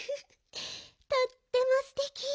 とってもすてき。